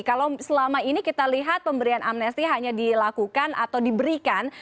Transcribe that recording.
kalau selama ini kita lihat pemberian amnesti hanya dilakukan atau diberikan